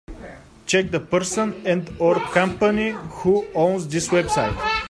Check the person and/or company who owns this website.